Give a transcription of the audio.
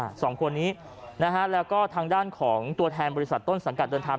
สองคนนี้นะฮะแล้วก็ทางด้านของตัวแทนบริษัทต้นสังกัดเดินทาง